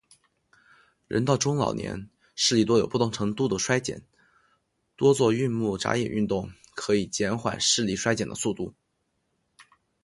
人到中老年，视力多有不同程度地衰减，多做运目眨眼运动可以减缓视力衰减的速度。